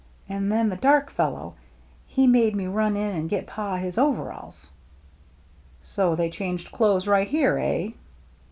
And then the dark fellow, he made me run in and get Pa his overhauls." " So they changed clothes right here, eh